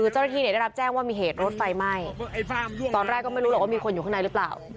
เจ้าหน้าที่ได้รับแจ้งว่ามีเหตุรถไฟไหม้ตอนแรกก็ไม่รู้หรอกว่ามีคนอยู่ข้างในหรือเปล่า